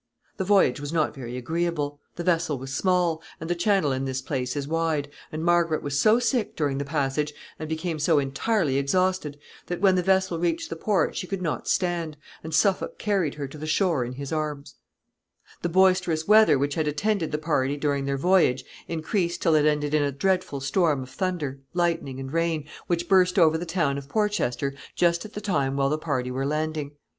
The voyage was not very agreeable. The vessel was small, and the Channel in this place is wide, and Margaret was so sick during the passage, and became so entirely exhausted, that when the vessel reached the port she could not stand, and Suffolk carried her to the shore in his arms. [Sidenote: Margaret's reception.] The boisterous weather which had attended the party during their voyage increased till it ended in a dreadful storm of thunder, lightning, and rain, which burst over the town of Porchester just at the time while the party were landing.